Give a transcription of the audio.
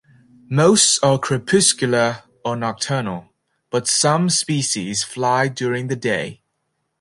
Most are crepuscular or nocturnal, but some species fly during the day.